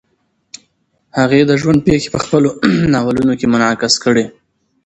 هغې د ژوند پېښې په خپلو ناولونو کې منعکس کړې.